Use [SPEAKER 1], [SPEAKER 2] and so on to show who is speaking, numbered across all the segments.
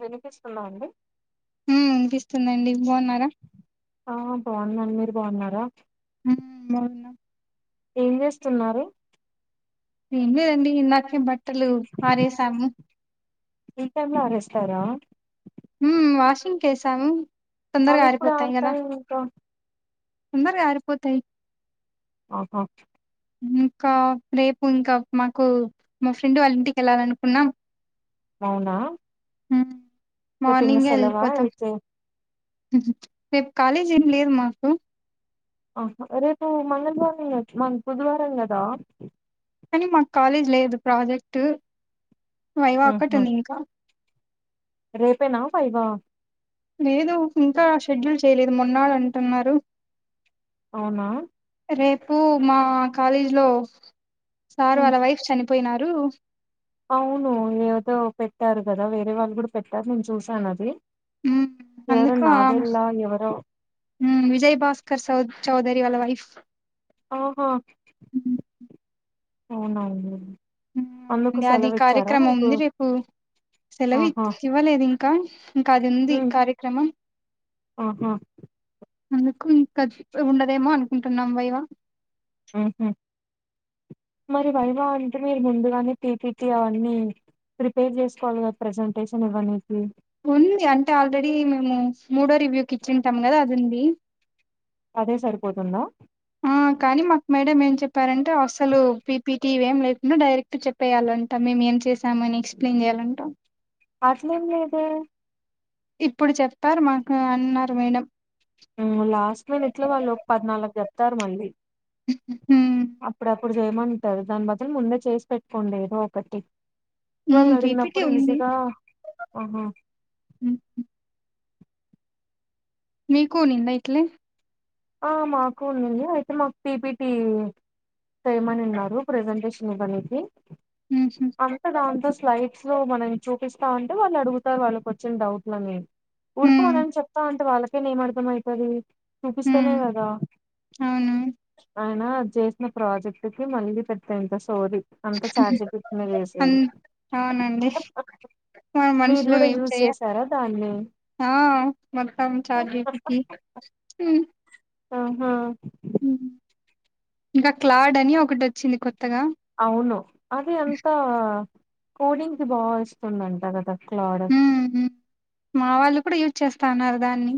[SPEAKER 1] వినిపిస్తుందా అండి
[SPEAKER 2] ఉమ్ వినిపిస్తుందండి బాన్నారా?
[SPEAKER 1] ఆ బాన్నాను మీరు బాగున్నారా?
[SPEAKER 2] ఉమ్ బాగున్న
[SPEAKER 1] ఏం చేస్తున్నారు?
[SPEAKER 2] ఏం లేదండి ఇందాకే బట్టలు ఆరేసాము.
[SPEAKER 1] చీకట్లో ఆరేస్తారా
[SPEAKER 2] ఉమ్ వాషింగ్ కేసాము
[SPEAKER 1] అవి
[SPEAKER 2] తొందరగా
[SPEAKER 1] ఎప్పుడు
[SPEAKER 2] ఆరిపోతాయి కదా
[SPEAKER 1] ఆరుతాయి ఇంకా
[SPEAKER 2] తొందరగా ఆరిపోతాయి
[SPEAKER 1] ఓహో
[SPEAKER 2] ఇంకా రేపు ఇంకా మాకు మా ఫ్రెండ్ వాళ్ళ ఇంటికి ఎళ్ళాలనుకున్నాం.
[SPEAKER 1] అవునా
[SPEAKER 2] ఉమ్
[SPEAKER 1] రేపు ఇంగ
[SPEAKER 2] మార్నింగే
[SPEAKER 1] సెలవా
[SPEAKER 2] ఎళ్ళిపోతాం.
[SPEAKER 1] అయితే
[SPEAKER 2] ఉమ్ రేపు కాలేజ్ ఏం లేదు మాకు
[SPEAKER 1] ఆహ రేపు మంగళవారం [unintelligible] బుధవారం కదా
[SPEAKER 2] కనీ మాకు కాలేజ్ లేదు, ప్రాజెక్ట్ వైవా ఒక్కటి ఉంది ఇంకా.
[SPEAKER 1] రేపే నా వైవా
[SPEAKER 2] లేదు ఇంకా షెడ్యూల్ చేయలేదు, మొన్నాళ్ళ అంటున్నారు.
[SPEAKER 1] అవునా
[SPEAKER 2] రేపు మా కాలేజీ లో సార్
[SPEAKER 1] ఉమ్,
[SPEAKER 2] వాళ్ళ వైఫ్ చనిపోయినారు.
[SPEAKER 1] అవును ఏదో పెట్టారు కదా, వేరే వాళ్ళు కూడా పెట్టారు నేను చూసాను అది.
[SPEAKER 2] ఉమ్
[SPEAKER 1] ఎవరో
[SPEAKER 2] అందుకు ఆమ్
[SPEAKER 1] నాదెల్లా ఎవరో
[SPEAKER 2] విజయ్ భాస్కర్ సౌద్ చౌధరీ వాళ్ళ వైఫ్
[SPEAKER 1] ఓహో
[SPEAKER 2] ఉహు
[SPEAKER 1] అవునవును అందుకు
[SPEAKER 2] అవునండి అది
[SPEAKER 1] సెలవు ఇచ్చారా
[SPEAKER 2] కార్యక్రమం
[SPEAKER 1] మీకు
[SPEAKER 2] ఉంది రేపు సెలవు
[SPEAKER 1] ఆహా
[SPEAKER 2] ఇచ్ ఇవ్వలేదు ఇం కా ఇంకా అది ఉంది
[SPEAKER 1] ఉమ్,
[SPEAKER 2] కార్యక్రమం.
[SPEAKER 1] ఆహా
[SPEAKER 2] అందుకు ఇంకా ఉండదేమో అనుకుంటున్నాం వైవా
[SPEAKER 1] ఉహు మరి వైవా అంటే మీరు ముందుగానే పిపిటీ అవన్నీ ప్రిపేర్ చేసుకోవాలి కదా ప్రజెంటేషన్ ఇవ్వనికి
[SPEAKER 2] ఉంది అంటే ఆల్రెడీ మేము మూడో రివ్యూకి ఇచ్చింటాం కదా అది ఉంది.
[SPEAKER 1] అదే సరిపోతుందా?
[SPEAKER 2] ఆ కానీ మాకు మేడం ఏం చెప్పారంటే అసలు పీపీటీ ఇవేం లేకుండా డైరెక్ట్ చెప్పేయాలంటా మేమే ఏం చేసామని ఎక్స్ప్లెయిన్ చేయాలంట
[SPEAKER 1] అట్లేం లేదు.
[SPEAKER 2] ఇప్పుడు చెప్తారు మాకు అన్నారు మేడం
[SPEAKER 1] ఆ లాస్ట్ లోనెట్లా వాళ్ళు ఒక పదినాళ్ళకు చెప్తారు మళ్ళీ
[SPEAKER 2] హ్మ్
[SPEAKER 1] అప్పుడప్పుడు చేయమంటారు దాని బదులు ముందే చేసి పెట్టుకోండి ఏదో ఒకటి వాళ్ళు
[SPEAKER 2] హ్మ్ పీపీటీ
[SPEAKER 1] అడిగినప్పుడు
[SPEAKER 2] ఉంది
[SPEAKER 1] ఈజీగా ఆహా
[SPEAKER 2] హ్మ్ మీకు ఉనిందా ఇట్లే
[SPEAKER 1] ఆ మాకు ఉన్నింది అయితే మాకు పీపిటి చేయమని ఉన్నారు ప్రజెంటేషన్ ఇవ్వనికి
[SPEAKER 2] ఉహు
[SPEAKER 1] అంత దాంట్లో స్లైడ్స్ లో మనం చూపిస్తా అంటే వాళ్ళు అడుగుతారు వాళ్ళకి వచ్చిన డౌట్లని
[SPEAKER 2] హ్మ్
[SPEAKER 1] ఊరుకున్నామని చెప్తా అంటే వాళ్ళకైనా ఏం అర్ధం అయితాది చెప్తెనే
[SPEAKER 2] హ్మ్
[SPEAKER 1] కదా
[SPEAKER 2] అవును
[SPEAKER 1] అయిన అది చేసిన ప్రాజెక్ట్ కి మళ్ళీ పెద్ద ఇంకా సోది అంత ఛార్జ్ పిట్నె
[SPEAKER 2] అన్
[SPEAKER 1] చేసేది
[SPEAKER 2] అవునండి మనం
[SPEAKER 1] మీరు
[SPEAKER 2] మనుషులం
[SPEAKER 1] కూడా
[SPEAKER 2] ఏం
[SPEAKER 1] యూజ్
[SPEAKER 2] చెయ
[SPEAKER 1] చేసారా దాన్ని
[SPEAKER 2] ఆ మొత్తం చార్జ్ పికి
[SPEAKER 1] ఆహా
[SPEAKER 2] ఇంకా క్లాడ్ అని ఒకటి వచ్చింది కొ
[SPEAKER 1] అవును అది అంతా కోడింగ్ కి బాగా వస్తుందంట కదా క్లాడ
[SPEAKER 2] హ్మ్ హ్మ్ మా వాళ్ళు కూడా యూజ్ చేస్తా ఉన్నారు దాన్ని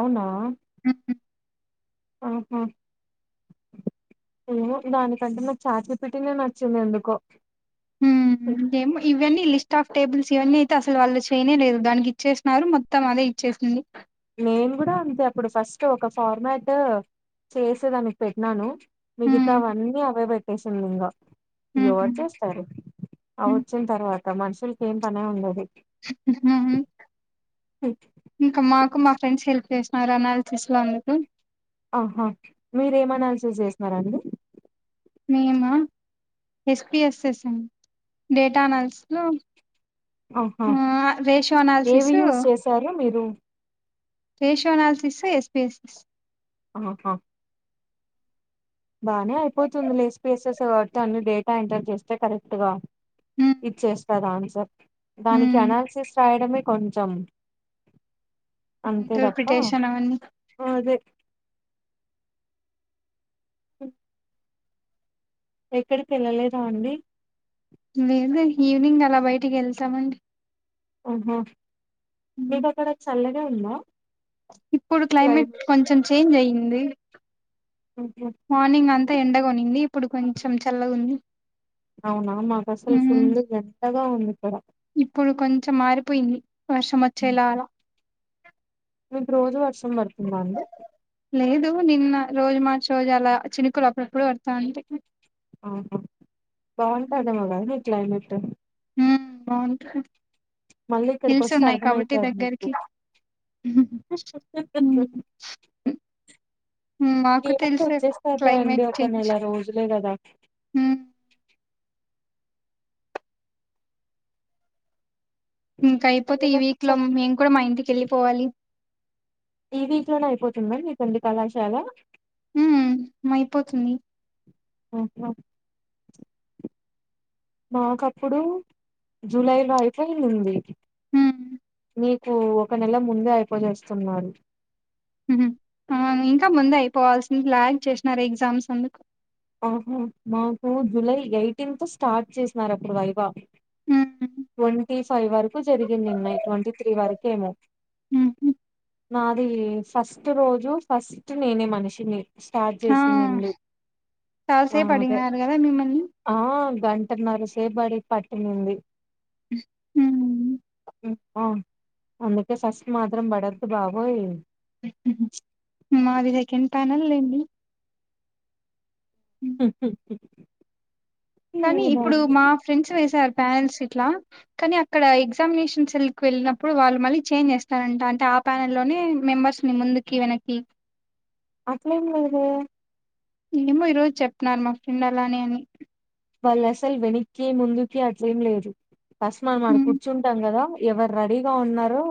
[SPEAKER 1] అవునా
[SPEAKER 2] మ్మ్
[SPEAKER 1] ఆహా ఏమో దానికంటే మమనాకు చాచి పిటినే నచ్చింది ఎందుకో
[SPEAKER 2] మ్మ్ ఇంకా ఏమ్ ఇవన్నీ లీ స్టాఫ్ టేబుల్స్ ఇవన్నీ అయితే అసలు వాళ్ళు చేయనేలేదు దానికి ఇచ్చేసినన్నారు మొత్తం అదే ఇచ్చేసింది
[SPEAKER 1] నేను కూడా అంతే అప్పుడు ఫస్ట్ ఒక ఫార్మాట్ చేసి దానికి పెట్టినాను
[SPEAKER 2] హ్మ్
[SPEAKER 1] మిగతావన్నీ అవే పెట్టేసింది ఇగా
[SPEAKER 2] హ్మ్
[SPEAKER 1] ఎవరు
[SPEAKER 2] హ్మ్
[SPEAKER 1] చేస్తారు ఆ వచ్చిన తర్వాత మనుషులకి ఏం పనే ఉండదు
[SPEAKER 2] ఇంకా మాకు మా ఫ్రెండ్స్ హెల్ప్ చేసినారు అనాలిసిస్ లో అందుకు
[SPEAKER 1] ఆహా మీరు ఏమ్ అనాలిసిస్ చేసినారండి
[SPEAKER 2] మేమ ఎస్పిఎస్ చేసాం డేటా అనాలసిస్ లో
[SPEAKER 1] ఆహా
[SPEAKER 2] రేషియో
[SPEAKER 1] ఏవి యూజ్ చేశారు మీరు
[SPEAKER 2] రేషో అనాలసిస్ ఎస్పీఎస్ఎస్
[SPEAKER 1] ఆహా బాగానే అయిపోతుంది లే ఎస్పిఎస్ఎస్ కాబట్టి అన్ని డేటా ఎంటర్ చేస్తే కరెక్ట్ గా ఇచ్చేస్తార్ ఆన్సర్ దానికి అనాలిసిస్ రాయడమే కొంచెం అంతే తప్ప
[SPEAKER 2] ఇంటర్ప్రిటేషన్ అవన్నీ
[SPEAKER 1] అదే హ ఎక్కడికి వెళ్ళలేద అండి
[SPEAKER 2] లేదులే ఈవినింగ్ అలా బయటికి వెళ్తామండి
[SPEAKER 1] ఆహా మీకు అక్కడ చల్లగా ఉందా
[SPEAKER 2] ఇప్పుడు క్లైమేట్ కొంచెం చేంజ్ అయ్యింది
[SPEAKER 1] ఆహా,
[SPEAKER 2] మార్నింగ్ అంతా ఎండగా ఉన్నింది ఇప్పుడు కొంచెం చల్లగా ఉంది
[SPEAKER 1] అవునా మాకసల్ ఫుల్లు ఎండగా ఉందిక్కడ
[SPEAKER 2] ఇప్పుడు కొంచెం మారిపోయింది వర్షం వచ్చేలా అలా
[SPEAKER 1] రోజు వర్షం పడుతుందా అండి
[SPEAKER 2] లేదు నిన్న రోజు మార్చి రోజు అలా చినుకులు అప్పుడప్పుడు పడుతాంటే
[SPEAKER 1] ఆహా బాగుంట దేమోగా మీ క్లైమేట్
[SPEAKER 2] మ్మ్ బావుంట్
[SPEAKER 1] మళ్ళీ ఇక్కడికొస్తే అర్థమైతాది మీకు
[SPEAKER 2] దగ్గరికి
[SPEAKER 1] ఇక
[SPEAKER 2] మాకు
[SPEAKER 1] ఏమంటే
[SPEAKER 2] తెలుసు
[SPEAKER 1] వచ్చేస్తారు లే అండి
[SPEAKER 2] క్లైమేట్
[SPEAKER 1] ఒక
[SPEAKER 2] చేంజ్
[SPEAKER 1] నెల రోజులే గదా
[SPEAKER 2] ఇంకైపోతే ఈ
[SPEAKER 1] ఏదన్నా
[SPEAKER 2] వీక్ లో
[SPEAKER 1] చెప్
[SPEAKER 2] మేము కూడా మా ఇంటికెళ్ళిపోవాలి
[SPEAKER 1] ఈ వీక్లోనే అయిపోతుందండి కొంది కళాశాల
[SPEAKER 2] ఉమ్ మైపోతుంది
[SPEAKER 1] ఆహ మాకప్పుడు జులై లో అయితే ఉంది
[SPEAKER 2] మ్మ్
[SPEAKER 1] మీకు ఒక నెల ముందే అయిపోజేస్తున్నారు
[SPEAKER 2] ఇంకా ముందే అయిపోవాల్సింది లాగ్ చేసినారు ఎగ్జామ్స్ అందుకు
[SPEAKER 1] ఆహా మాకు జులై ఎయిటీన్త్ స్టార్ట్ చేసినారు అప్పుడు వైభ
[SPEAKER 2] ఉమ్,
[SPEAKER 1] ట్వంటీ ఫైవ్ వరకు జరిగిందిన్నయి ట్వంటీ త్రీ వరకేమో
[SPEAKER 2] ఊహు
[SPEAKER 1] నాది ఫస్ట్ రోజు ఫస్ట్ నేనే మనిషిని స్టార్ట్ చేసిందిండి
[SPEAKER 2] చాలసేపు అడిగినారు గదా మిమ్మల్ని
[SPEAKER 1] గంటన్నరసేపు అడి పట్టినింది
[SPEAKER 2] ఉమ్,
[SPEAKER 1] అ అందుకే సస్ మాత్రం బడద్దు బాబోయ్
[SPEAKER 2] పనన్లెండి
[SPEAKER 1] హ
[SPEAKER 2] కానీ ఇప్పుడు మా ఫ్రెండ్స్ వేసారు ప్యానెల్స్ ఇట్లా కానీ అక్కడ ఎగ్జామినేషన్ సెల్కు వెళ్ళినప్పుడు వాళ్ళు మళ్ళీ చేంజ్ చేస్తారంట అంటే ఆ ప్యానెల్ లోనే మెంబర్స్ ని ముందుకి వెనక్కి
[SPEAKER 1] అట్లేం లేదే
[SPEAKER 2] ఏమో ఈరోజు చెప్నారు మా ఫ్రెండ్ అలానే అని
[SPEAKER 1] వాళ్ళసల్ వెనక్కి ముందుకి అట్లేం లేదు ఫస్ట్ మనం ఆడ
[SPEAKER 2] హ్మ్
[SPEAKER 1] కూర్చుంటాం గదా ఎవరు రడీగా ఉన్నారో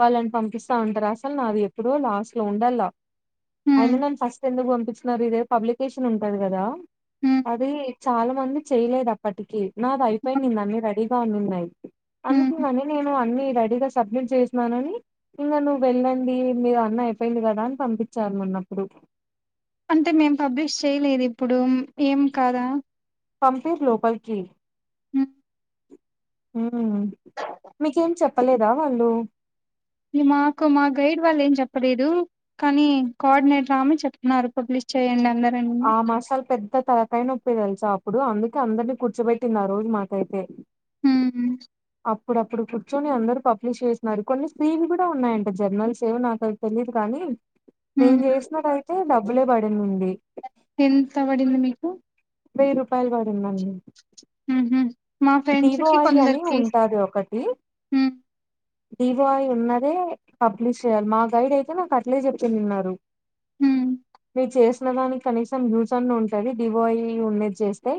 [SPEAKER 1] వాళ్ళని పంపిస్తా ఉంటారు అసలు నా అది ఎప్పుడో లాస్ట్ లో ఉండలా
[SPEAKER 2] హ్మ్
[SPEAKER 1] అయినా నన్ను ఫస్ట్ ఎందుకు పంపించినారు ఇదే పబ్లికేషన్ ఉంటది గదా
[SPEAKER 2] హ్మ్
[SPEAKER 1] అది చాలా మంది చేయలేదు అప్పటికి నాది అయిపొయినింది అన్ని రెడీగా ఉనున్నాయ్
[SPEAKER 2] హ్మ్ హ్మ్.
[SPEAKER 1] అందుకింగని నేను అన్ని రెడీగా సబ్మిట్ చేసినానని ఇంగ నువ్వెళ్ళండి మీరు అయిపొయింది గదా అని పంపిచారు నన్నప్పుడు
[SPEAKER 2] అంటే మేం పబ్లిష్ చేయలేదిప్పుడు ఏం కాదా
[SPEAKER 1] పంపీర్ లోపల్కి
[SPEAKER 2] ఉ
[SPEAKER 1] మ్మ్ మీకేం చెప్పలేదా వాళ్ళు
[SPEAKER 2] మాకు మా గైడ్ వాళ్ళేం జెప్పలేదు కానీ కోఆర్డినేటర్ రామెని చెప్తున్నారు పబ్లి చెయ్యండందర్
[SPEAKER 1] ఆ మషాలు పెద్ తే తలకైనొప్పి తెలుసా అప్పుడు అందుకే అందరినీ కూర్చబెట్టింది ఆ రోజు మాకైతే
[SPEAKER 2] ఊ ఊ
[SPEAKER 1] అప్పుడప్పుడు కూర్చొని అందరు పబ్లిష్ చేస్నారు, కొన్ని స్క్రీన్ గుడా ఉన్నాయంట జర్నల్స్ ఏవో నాకు అవి తెలి. లేదు కాని నేను
[SPEAKER 2] హ్మ్
[SPEAKER 1] జేసినవైతే డబ్బులే బడినుంది
[SPEAKER 2] ఎంత వడింది మీకు
[SPEAKER 1] వేయి రూపాయలు బడిందండి
[SPEAKER 2] ఊహు మా ఫ్రెండ్స్ కి
[SPEAKER 1] అని
[SPEAKER 2] కొందరికి
[SPEAKER 1] ఉంటది డివోయ్ ఉన్నదే పబ్లిష్ చేయాల్ మా గైడ్ అయితే నాకు అట్లే చెప్పినున్నారు
[SPEAKER 2] హూ
[SPEAKER 1] మీ చేసిన దానికి కనీసం యూస్ అన్న ఉంటాంది డివోయి ఉండేది చేస్తే,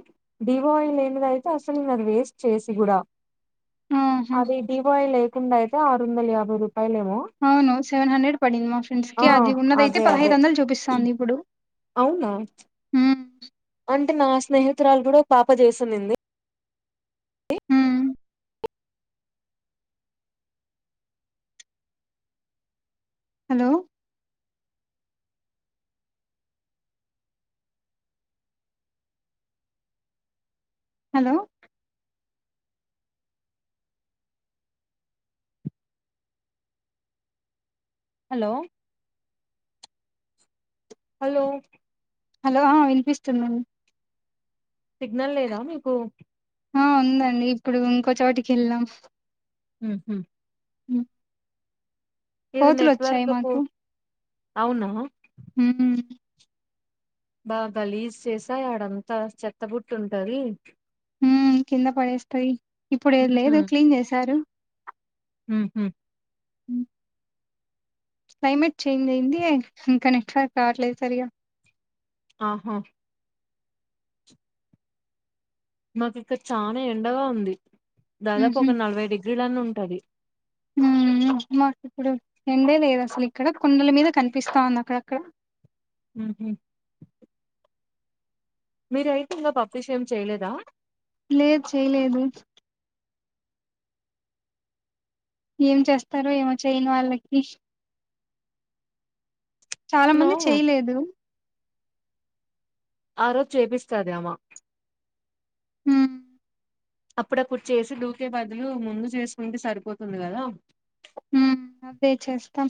[SPEAKER 1] డివోయి లేనిదైతే అస్సల్.
[SPEAKER 2] ఆహా!
[SPEAKER 1] అదీ వి [unintelligible] లేకుండా అయితేణ ఆరు వందల యాభై రూ
[SPEAKER 2] అవును సెవెన్ హండ్రెడ్ పడింది మా ఫ్రెండ్స్కి
[SPEAKER 1] ఆ
[SPEAKER 2] అది ఉన్నదయితే
[SPEAKER 1] అదే అదే
[SPEAKER 2] పదహైదు వందలు చూపిస్తాంది ఇప్పుడు
[SPEAKER 1] అవునా
[SPEAKER 2] హ్మ్.
[SPEAKER 1] అంటే నా స్నేహితురాలు గూడా పాప చేసినింది
[SPEAKER 2] హ్మ్. Hello hello
[SPEAKER 1] hello hello
[SPEAKER 2] hello ఆ వినిపిస్తుందండి
[SPEAKER 1] సిగ్నల్ లేదా మీకు
[SPEAKER 2] ఆ ఉందండి ఇప్పుడూ ఇంకో చోటికి ఎళ్ళా
[SPEAKER 1] ఉహు
[SPEAKER 2] కోతులు ఒచ్చాయ్
[SPEAKER 1] నెట్వర్క్ పో
[SPEAKER 2] మాకు
[SPEAKER 1] అవునా
[SPEAKER 2] ఊహు
[SPEAKER 1] బా గలీజ్ చేసాయి ఆడంతా చెత్తబుట్ట ఉంటది
[SPEAKER 2] ఊ కింద పడేస్తయ్ ఇప్పుడు ఏద్ లేదు క్లీన్ చేసారు
[SPEAKER 1] ఊహు
[SPEAKER 2] ఉ క్లైమేట్ చేంజ్ అయింది ఇంకా నెట్వర్క్ రాట్లేదు సరిగా
[SPEAKER 1] ఆహ మాకు ఇక్కడ చాన ఎండగా ఉంది దాదాపు
[SPEAKER 2] హుహు.
[SPEAKER 1] ఒక నలభై డిగ్రీలన్న ఉంటది
[SPEAKER 2] హ్మ్. మాకిప్పుడు ఎండే లేదు అసలు ఇక్కడ కుండల మీద కనిపిస్తా ఉంది అక్కడక్కడ
[SPEAKER 1] ఊహు మీరు అయితే ఇంగ పబ్లిష్ ఏం చేయలేదా
[SPEAKER 2] లేద్ చేయలేదు ఏం చేస్తారో ఏమో చేయని వాళ్ళకి చాలా
[SPEAKER 1] నో
[SPEAKER 2] మంది చేయలేదు
[SPEAKER 1] ఆ రోజు చేపిస్తాది ఆమ
[SPEAKER 2] హూ
[SPEAKER 1] అప్పుడే కూర్చీ ఏసి డూకే బదులు ముందు చేసుకుంటే సరిపోతుంది గదా
[SPEAKER 2] ఊ అదే చేస్తాం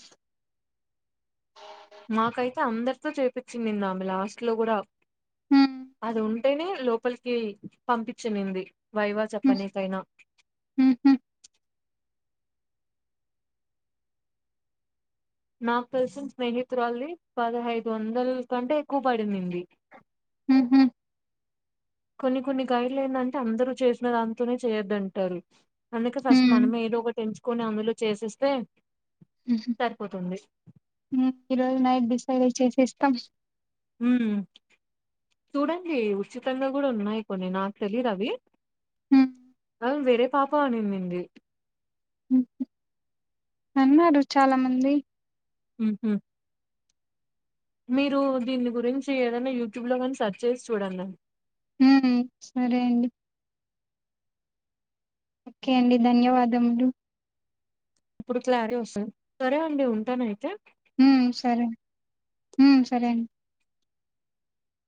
[SPEAKER 1] మాకైతే అందరితో చేపిచ్చింది నిన్న ఆమె లాస్ట్ లో గూడా
[SPEAKER 2] హ్మ్
[SPEAKER 1] అది ఉన్ టెనే లోపలికి పంపిచ్చినింది వైవ
[SPEAKER 2] హ్మ్
[SPEAKER 1] చెప్పనీకైనా
[SPEAKER 2] హ్మ్ హ్మ్
[SPEAKER 1] నాకు తెలిసిన స్నేహితురాల్ది పదహైదు వందల్ కంటే ఎక్కువ పడిందిండి
[SPEAKER 2] మ్ హు
[SPEAKER 1] కొన్ని కొన్ని గైడ్లు ఏందంటే అందరు చేసిన దాంతోనే చేయొద్దంటారు అందుకే ఫస్ట్
[SPEAKER 2] హ్మ్
[SPEAKER 1] మనమే ఏదోకటి ఎంచుకొని అందులో చేసేస్తే సరిపోతుంది
[SPEAKER 2] ఈరోజు నైట్ డిసైడ్ చేసేస్తాం
[SPEAKER 1] హ్మ్ చూడండి ఉచితంగా కూడా ఉన్నాయి కొన్ని నాకు తెలీదవి
[SPEAKER 2] హ్మ్
[SPEAKER 1] అ వేరే పాప అనిండింది
[SPEAKER 2] హ్మ్ అన్నారు చాలా మంది
[SPEAKER 1] మ్ హు మీరు దీని గురించి ఏదైనా యూట్యూబ్ లో కానీ సెర్చ్ చేసి చూడండి
[SPEAKER 2] ఉమ్ సరే అండి ఓకే అండి ధన్యవాదములు
[SPEAKER 1] అప్పుడు క్లారిటీ వస్తది సరే అండి ఉంటానయితే
[SPEAKER 2] ఉమ్ సరే ఉమ్ సరే అండి